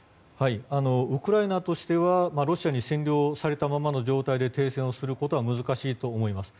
ウクライナとしてはロシアに占領されたままの状態で停戦をすることは難しいと思います。